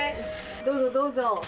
どうぞどうぞ。